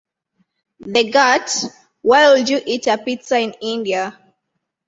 The gut; why would you eat a pizza in India?